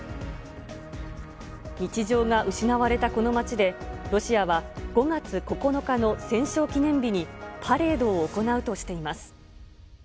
日常が失われたこの街で、ロシアは５月９日の戦勝記念日に、パレードを行うとしています。